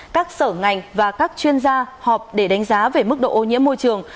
các sở ngành và các chuyên gia họp để đánh giá về mức độ ô nhiễm môi trường